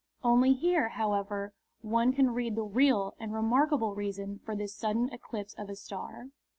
Only here, however, one can read the real and remarkable reason for this sudden eclipse of a star.